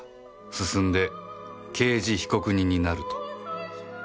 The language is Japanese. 進んで刑事被告人になると